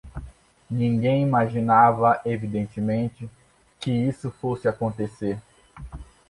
Ninguém imaginava, evidentemente, que isso fosse acontecer